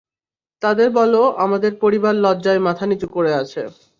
তাদের বলো আমাদের পরিবার লজ্জায় মাথা নিচু করে আছে!